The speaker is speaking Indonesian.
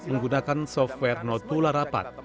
menggunakan software notula rapat